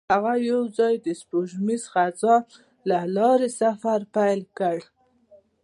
هغوی یوځای د سپوږمیز خزان له لارې سفر پیل کړ.